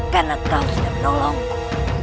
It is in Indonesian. karena kau sudah menolongku